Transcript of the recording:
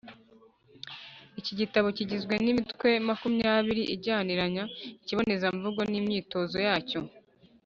Iki gitabo kigizwe n’imitwe makumyabiri ijyaniranya ikibonezamvugo n’imyitozo yacyo.